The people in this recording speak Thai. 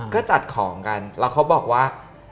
ก็จัดของกันแล้วเขาบอกว่า